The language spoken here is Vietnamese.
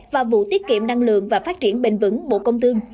và vụ tiết kiệm năng lượng và phát triển bình vững bộ công tương